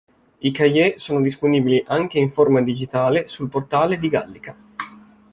I "Cahiers" sono disponibili anche in forma digitale sul portale di Gallica.